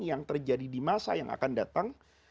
yang terjadi di masa yang akan datang